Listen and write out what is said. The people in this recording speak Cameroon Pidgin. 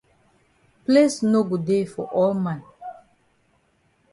Place no go dey for all man.